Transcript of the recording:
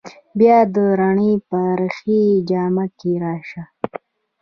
بیا د رڼې پرخې جامه کې راشه